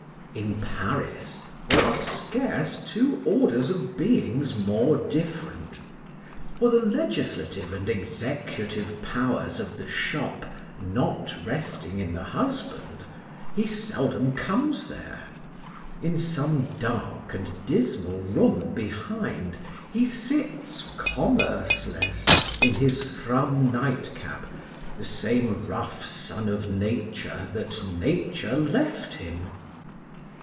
In Paris, there are scarce two orders of beings more different: for the legislative and executive powers of the shop not resting in the husband, he seldom comes there:—in some dark and dismal room behind, he sits commerce less, in his thrum nightcap, the same rough son of Nature that Nature left him.